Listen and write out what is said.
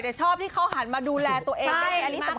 แต่ชอบที่เขาหันมาดูแลตัวเองได้แทนมาก